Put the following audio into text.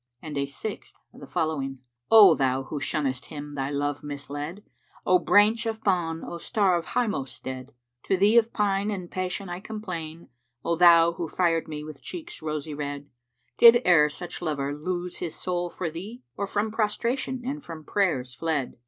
And a sixth the following, "O thou who shunnest him thy love misled! * O Branch of Bán, O star of highmost stead! To thee of pine and passion I complain, * O thou who fired me with cheeks rosy red. Did e'er such lover lose his soul for thee, * Or from prostration and from prayers fled?"